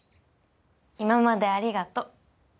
今までありがとう。